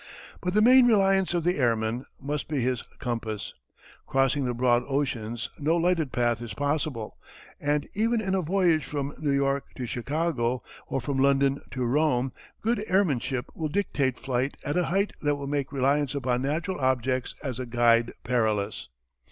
But the main reliance of the airman must be his compass. Crossing the broad oceans no lighted path is possible, and even in a voyage from New York to Chicago, or from London to Rome good airmanship will dictate flight at a height that will make reliance upon natural objects as a guide perilous.